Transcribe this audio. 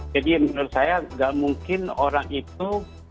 jadi menurut saya tidak mungkin orang itu